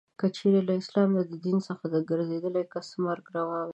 که چیري له اسلام د دین څخه د ګرځېدلې کس مرګ روا.